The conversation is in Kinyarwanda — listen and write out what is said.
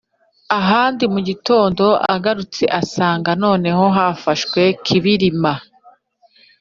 Ahandi mu gitondo agarutse asanga noneho hafashwe ikibirima